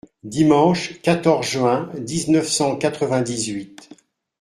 Dimanche quatorze juin dix-neuf cent quatre-vingt-dix-huit.